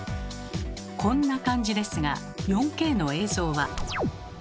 こんな感じですが４Ｋの映像は。